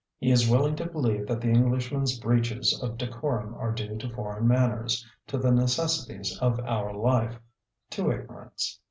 He is willing to believe that the Englishman's breaches of decorum are due to foreign manners, to the necessities of our life, to ignorance.